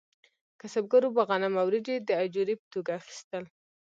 کسبګرو به غنم او وریجې د اجورې په توګه اخیستل.